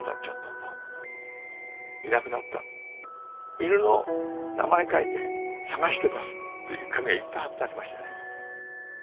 犬の名前書いて捜してますっていう紙がいっぱい貼ってありましたね。